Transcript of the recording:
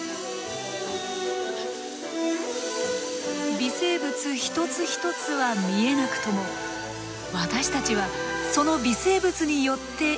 微生物一つ一つは見えなくとも私たちはその微生物によって生かされている。